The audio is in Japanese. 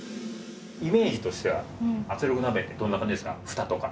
イメージとしては圧力鍋ってどんな感じですか？